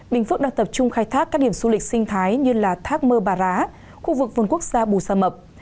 bình phước đang tập trung khai thác các điểm du lịch sinh thái như thác mơ bà rá khu vực vườn quốc gia bù sa mập